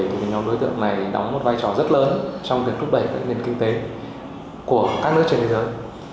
thì nhóm đối tượng này đóng một vai trò rất lớn trong việc thúc đẩy các nền kinh tế của các nước trên thế giới